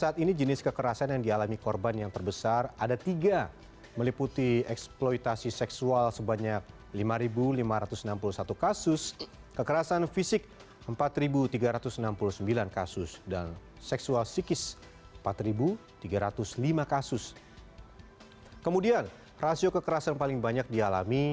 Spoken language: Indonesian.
tim litbang cnn indonesia